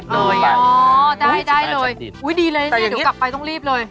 เลยอ๋อได้ได้เลยอุ้ยดีเลยนี่เดี๋ยวกลับไปต้องรีบเลย